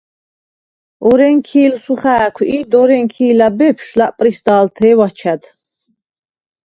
ორენქი̄ლსუ ხა̄̈ქვ ი დორენქი̄ლა̈ ბეფშვ ლა̈პრისდა̄ლთე̄ვ აჩა̈დ.